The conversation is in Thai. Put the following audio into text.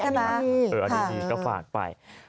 ใช่ไหมค่ะอันนี้ดีก็ฝากไป